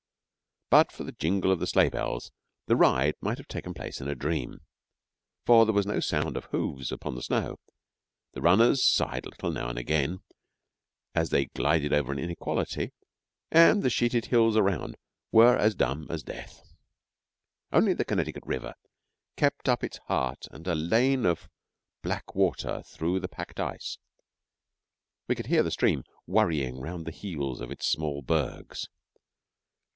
But for the jingle of the sleigh bells the ride might have taken place in a dream, for there was no sound of hoofs upon the snow, the runners sighed a little now and again as they glided over an inequality, and all the sheeted hills round about were as dumb as death. Only the Connecticut River kept up its heart and a lane of black water through the packed ice; we could hear the stream worrying round the heels of its small bergs.